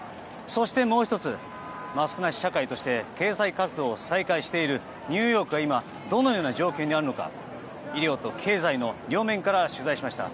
そして、もう１つマスクなし社会として経済活動を再開しているニューヨークが、今どのような状況にあるのか医療と経済の両面から取材しました。